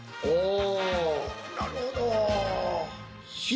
おお。